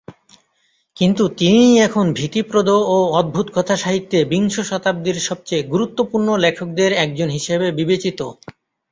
কিন্তু তিনিই এখন ভীতিপ্রদ ও অদ্ভুত কথাসাহিত্যে বিংশ শতাব্দীর সবচেয়ে গুরুত্বপূর্ণ লেখকদের একজন হিশেবে বিবেচিত।